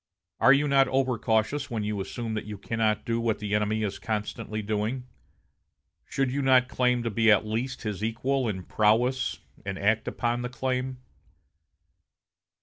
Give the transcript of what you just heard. Are you not over cautious when you assume that you cannot do what the enemy is constantly doing? Should you not claim to be at least his equal in prowess, and act upon the claim?...